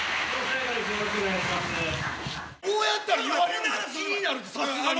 こうやったら言われんねやったら気になるって、さすがに！